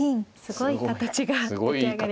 すごい形が出来上がりました。